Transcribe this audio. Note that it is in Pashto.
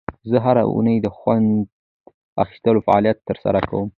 زه هره اونۍ د خوند اخیستلو فعالیت ترسره کوم.